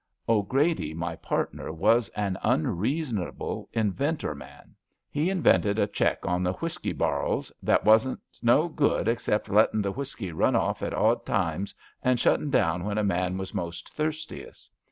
'Grady, my partner, was an unreasonable inventorman. He invented a check on the whisky bar 'Is that wasn't no good except lettin' the whisky run off at odd times and shutting down when a man was most thirstiest.